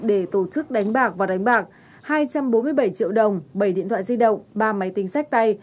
để tổ chức đánh bạc và đánh bạc hai trăm bốn mươi bảy triệu đồng bảy điện thoại di động ba máy tính sách tay